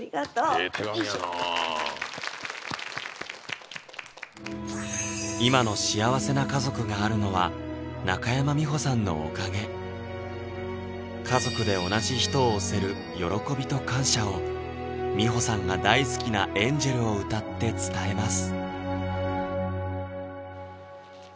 手紙やなぁ今の幸せな家族があるのは中山美穂さんのおかげ家族で同じ人を推せる喜びと感謝を美穂さんが大好きな「Ａｎｇｅｌ」を歌って伝えます